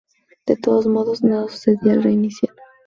De todos modos, nada sucedía al reiniciar.